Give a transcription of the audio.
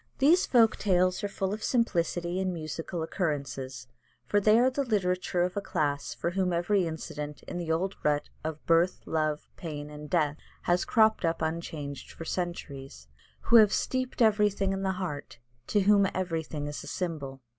These folk tales are full of simplicity and musical occurrences, for they are the literature of a class for whom every incident in the old rut of birth, love, pain, and death has cropped up unchanged for centuries: who have steeped everything in the heart: to whom everything is a symbol.